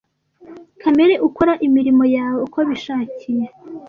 kamere ukora imirimo yawe uko bishakiye